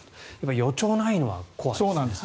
予兆がないのは怖いですね。